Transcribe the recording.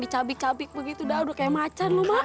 kita ambil cabik cabik begitu dah udah kayak macan lu mak